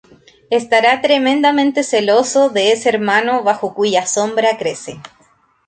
Estará tremendamente celoso de ese hermano bajo cuya sombra crece.